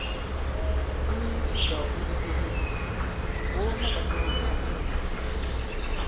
I ikàw di bitete makòo ma ɓā ndī ɓôt i malēw.